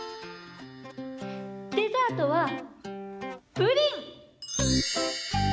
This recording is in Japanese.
デザートはプリン！